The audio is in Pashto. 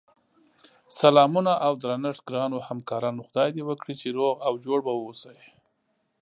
سلامونه اودرنښت ګراونوهمکارانو خدای دی وکړی چی روغ اوجوړبه اووسی